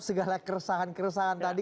segala keresahan keresahan tadi